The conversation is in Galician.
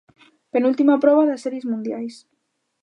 Penúltima proba das series mundiais.